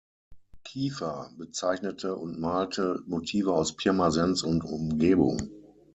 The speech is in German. Kieffer zeichnete und malte Motive aus Pirmasens und Umgebung.